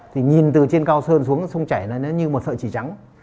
thì nhìn từ trên cao sơn xuống sông chảy này nó như một sợi chỉ trắng